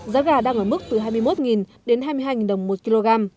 giá gà đang ở mức từ hai mươi một đến hai mươi hai đồng một kg